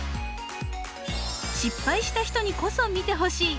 失敗した人にこそ見てほしい。